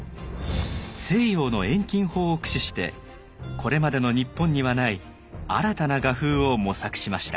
西洋の遠近法を駆使してこれまでの日本にはない新たな画風を模索しました。